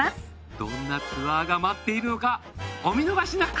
どんなツアーが待っているのかお見逃しなく！